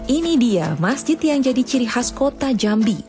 ini dia masjid yang jadi ciri khas kota jambi